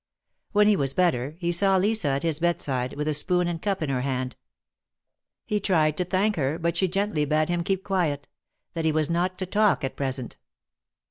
When he was better, he saw Lisa at his bedside, with a spoon and cup in her hand. He tried to thank her, but she gently bade him keep quiet; that he was not to talk at present.